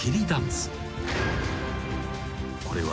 ［これは］